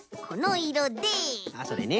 あっそれね。